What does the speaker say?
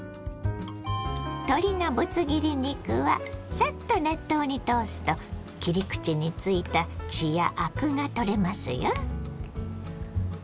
鶏のブツ切り肉はサッと熱湯に通すと切り口についた血やアクが取れますよ。